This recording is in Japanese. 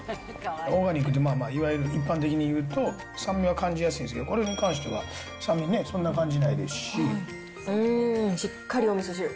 オーガニックって、いわゆる一般的にいうと、酸味を感じやすいんですけど、これに関しては、酸味ね、そんな感しっかりおみそ汁。